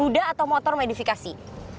kuda atau motor modifikasi